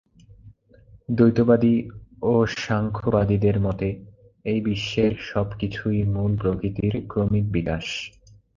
দ্বৈতবাদী ও সাংখ্যবাদীদের মতে এই বিশ্বের সবকিছুই মূল প্রকৃতির ক্রমিক বিকাশ।